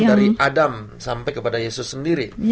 dari adam sampai kepada yesus sendiri